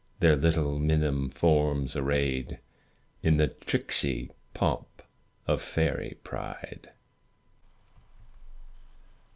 Their little minim forms arrayed, In the tricksy pomp of fairy pride.